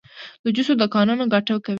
د جوسو دکانونه ګټه کوي؟